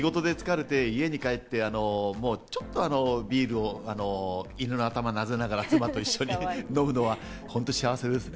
でも仕事で疲れて家に帰ってちょっとビールを犬の頭をなでながら妻と一緒に飲むのは本当に幸せですね。